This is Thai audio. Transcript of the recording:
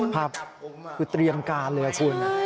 ครับคือเตรียมการเลยคุณ